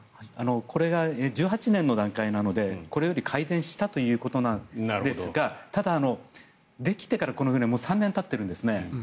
これが１８年の段階なのでこれより改善したということですがただ、できてからこの船はもう３年たってるんですね。